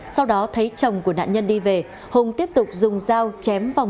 sau đó thấy chồng của nạn nhân đi về hùng tiếp tục dùng dao chém vòng